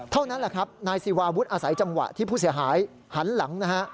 เท่านั้นแหละครับนายศิวาวุฒิอาศัยจังหวะที่ผู้เสียหายหันหลังนะฮะ